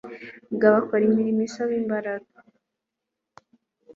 bw’abakora imirimo isaba imbaraga